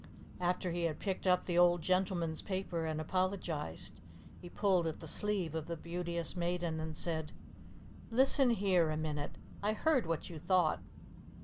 After he had picked up the old gentleman's paper and apologized, he pulled at the sleeve of the Beauteous Maiden and said, "Listen here a minute. I heard what you thought."